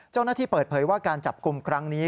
เจ้าหน้าที่เปิดเผยว่าการจับกลุ่มครั้งนี้